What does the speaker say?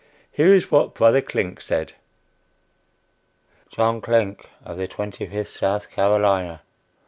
Here is what Brother Klink said: "John Klink, of the Twenty fifth South Carolina.